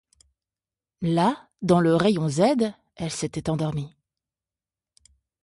Là, dans le rayon Z, elle s'était endormie.